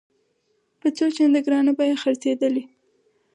په څو چنده ګرانه بیه خرڅېدلې.